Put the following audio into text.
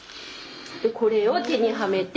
でこれを手にはめて。